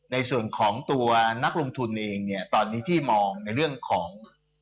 ในส่วนของตัวนักลงทุนเองเนี่ยตอนนี้ที่มองในเรื่องของ